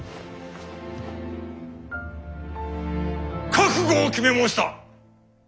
覚悟を決め申した！